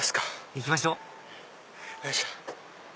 行きましょうよいしょ。